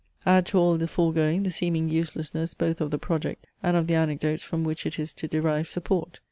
Add to all the foregoing the seeming uselessness both of the project and of the anecdotes from which it is to derive support.